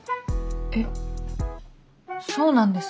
えっそうなんですか？